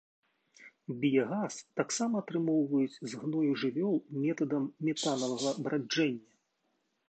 Біягаз таксама атрымоўваюць з гною жывёл метадам метанавага браджэння.